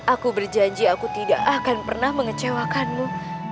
aku berjanji aku tidak akan pernah mengecewakanmu